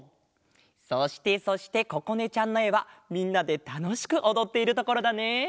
そしてそしてここねちゃんのえはみんなでたのしくおどっているところだね。